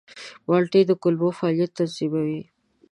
مالټې د کولمو فعالیت تنظیموي.